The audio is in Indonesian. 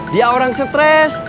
dia orang stres